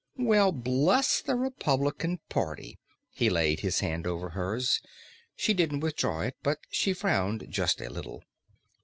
"Well, bless the Republican Party!" He laid his hand over hers, she didn't withdraw it, but she frowned just a little.